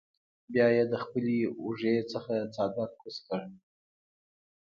بیا ئې د خپلې اوږې نه څادر کوز کړۀ ـ